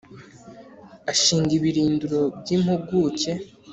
Ashinga ibirindiro by’ impuguke